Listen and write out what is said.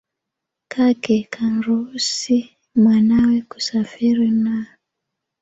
Kake kanruhusi mwanawe kusafiri na